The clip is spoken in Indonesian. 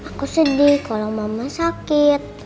aku sedih kalau mama sakit